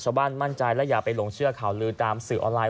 มั่นใจและอย่าไปหลงเชื่อข่าวลือตามสื่อออนไลน